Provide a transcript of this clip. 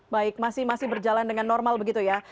baik masih berjalan dengan normal begitu ya